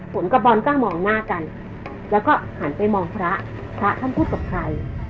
ผมกับบอลก็มองหน้ากันแล้วก็หันไปมองพระพระท่านพูดกับใคร